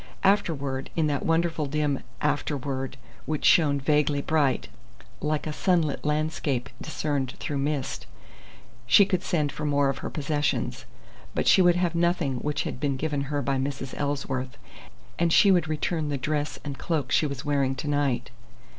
Afterward in that wonderful, dim "afterward" which shone vaguely bright, like a sunlit landscape discerned through mist she could send for more of her possessions. But she would have nothing which had been given her by Mrs. Ellsworth, and she would return the dress and cloak she was wearing to night.